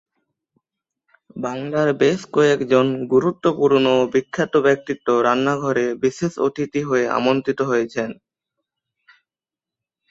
বাংলার বেশ কয়েকজন গুরুত্বপূর্ণ ও বিখ্যাত ব্যক্তিত্ব রান্নাঘরে বিশেষ অতিথি হয়ে আমন্ত্রিত হয়েছেন।